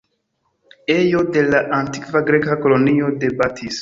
Ejo de la antikva Greka kolonio de Batis.